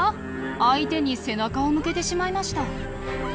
相手に背中を向けてしまいました。